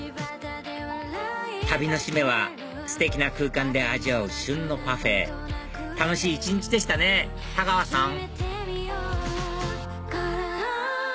旅の締めはステキな空間で味わう旬のパフェ楽しい一日でしたね太川さん